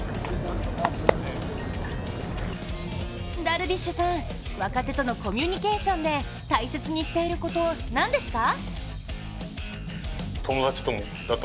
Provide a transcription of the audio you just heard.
ダルビッシュさん、若手とのコミュニケーションで大切にしていること、何ですか？